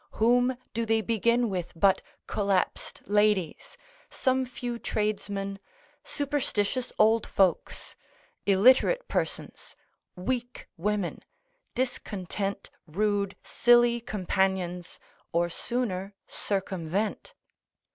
Whom do they begin with but collapsed ladies, some few tradesmen, superstitious old folks, illiterate persons, weak women, discontent, rude, silly companions, or sooner circumvent?